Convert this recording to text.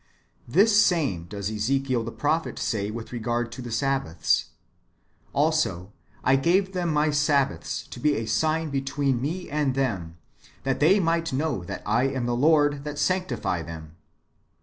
"^ This same does Ezekiel the prophet say with regard to the Sabbaths :" Also I gave them my Sabbaths, to be a sign between me and them, that they might know that I am the Lord, that sanctify them."